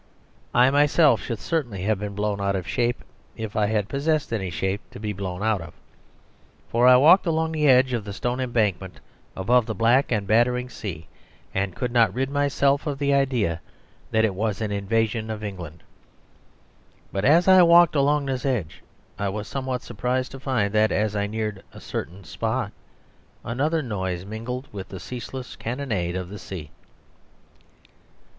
I myself should certainly have been blown out of shape if I had possessed any shape to be blown out of; for I walked along the edge of the stone embankment above the black and battering sea and could not rid myself of the idea that it was an invasion of England. But as I walked along this edge I was somewhat surprised to find that as I neared a certain spot another noise mingled with the ceaseless cannonade of the sea.